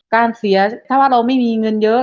การเสียถ้าว่าเราไม่มีเงินเยอะ